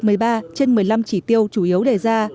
trên một mươi năm chỉ tiêu chủ yếu đề ra